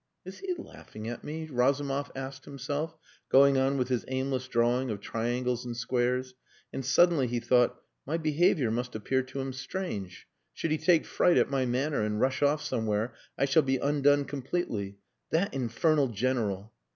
'" "Is he laughing at me?" Razumov asked himself, going on with his aimless drawing of triangles and squares. And suddenly he thought: "My behaviour must appear to him strange. Should he take fright at my manner and rush off somewhere I shall be undone completely. That infernal General...."